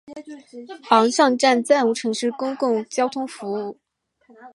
昂尚站暂无城市公共交通服务。